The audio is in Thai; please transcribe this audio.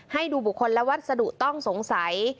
ให้ดูบุคคลและวัสดุต้องสงสัย